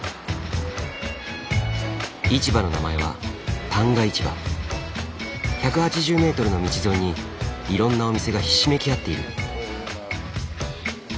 市場の名前は１８０メートルの道沿いにいろんなお店がひしめき合っている。